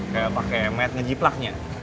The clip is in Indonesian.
kayak pake med ngejiplaknya